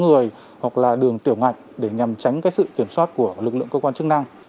người hoặc là đường tiểu ngạch để nhằm tránh sự kiểm soát của lực lượng cơ quan chức năng